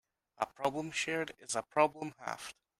A problem shared is a problem halved.